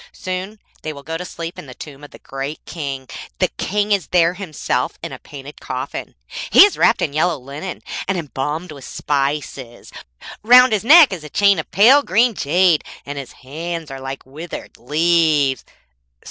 Soon they will go to sleep in the tomb of the great King. The King is there himself in his painted coffin. He is wrapped in yellow linen, and embalmed with spices. Round his neck is a chain of pale green jade, and his hands are like withered leaves.'